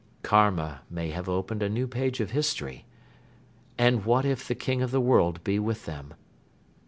..." Karma may have opened a new page of history! And what if the King of the World be with them?